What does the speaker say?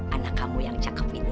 anak kamu yang cakep ini